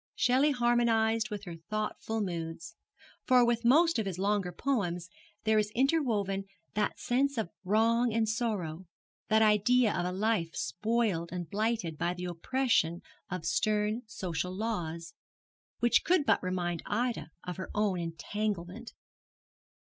Shelley harmonized with her thoughtful moods, for with most of his longer poems there is interwoven that sense of wrong and sorrow, that idea of a life spoiled and blighted by the oppression of stern social laws, which could but remind Ida of her own entanglement.